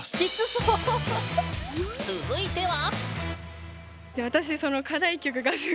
続いては？